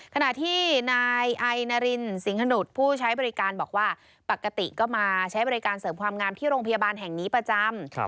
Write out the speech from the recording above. ขณะที่นายไอนารินสิงหนุษย์ผู้ใช้บริการบอกว่าปกติก็มาใช้บริการเสริมความงามที่โรงพยาบาลแห่งนี้ประจำ